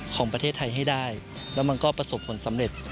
ของประเทศไทยให้ได้แล้วมันก็ประสบผลสำเร็จ